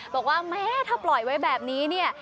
บอกว่าแม้ถ้าปล่อยไว้แบบนี้เนี่ย